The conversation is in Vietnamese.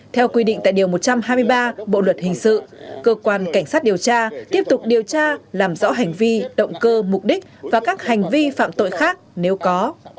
theo quy định tại điều một trăm hai mươi ba bộ luật hình sự cơ quan cảnh sát điều tra tiếp tục điều tra làm rõ hành vi động cơ mục đích và các hành vi phạm tội khác nếu có